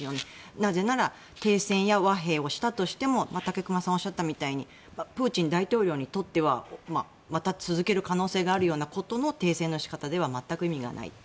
なぜなら停戦や和平をしたとしても武隈さんがおっしゃったようにプーチン大統領にとってはまた続ける可能性があるような停戦の仕方では全く意味がない。